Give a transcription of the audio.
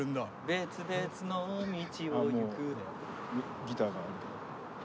「別々の道を行く」ギターがあるけど。